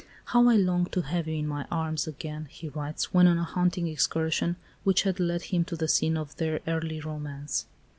"How I long to have you in my arms again," he writes, when on a hunting excursion, which had led him to the scene of their early romance.